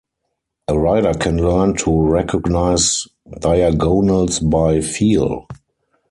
A rider can learn to recognize diagonals by feel.